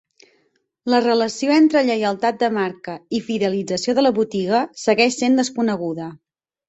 La relació entre lleialtat de marca i fidelització de la botiga segueix sent desconeguda.